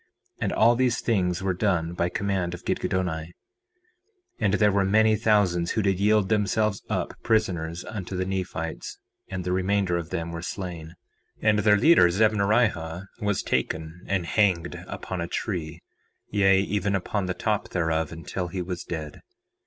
And all these things were done by command of Gidgiddoni. 4:27 And there were many thousands who did yield themselves up prisoners unto the Nephites, and the remainder of them were slain. 4:28 And their leader, Zemnarihah, was taken and hanged upon a tree, yea, even upon the top thereof until he was dead.